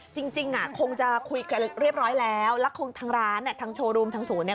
จริงคงจะคุยเรียบร้อยแล้วแล้วคงทั้งร้านทั้งโชว์รูมทั้งศูนย์